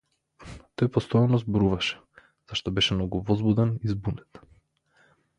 Тој постојано зборуваше зашто беше многу возбуден и збунет.